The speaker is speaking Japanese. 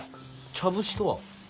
茶節とは？